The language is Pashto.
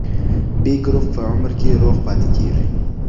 B ګروپ په عمر کې روغ پاتې کېږي.